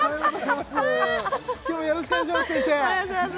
今日もよろしくお願いします先生